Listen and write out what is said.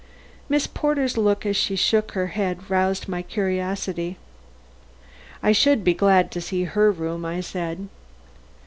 Miss Porter's look as she shook her head roused my curiosity. "I should be glad to see her room," I said.